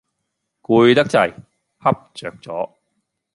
攰得滯，瞌着咗